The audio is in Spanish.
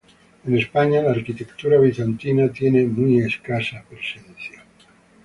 En España la arquitectura bizantina tiene muy escasa presencia.